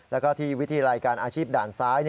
แล้วก็ที่วิทยาลัยการอาชีพด่านซ้าย